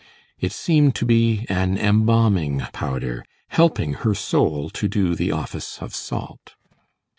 It seemed to be an embalming powder, helping her soul to do the office of salt.